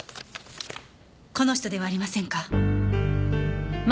この人ではありませんか？